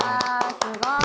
すごい。